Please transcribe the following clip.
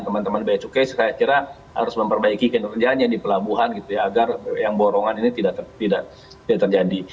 teman teman bacukai saya kira harus memperbaiki kinerjanya di pelabuhan gitu ya agar yang borongan ini tidak terjadi